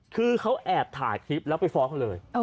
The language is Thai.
คือเขาแอบถ่ายคลิปแล้วไปฟ้องเลย